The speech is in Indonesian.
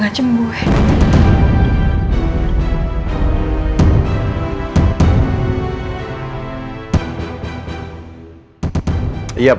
dan juga buka tpp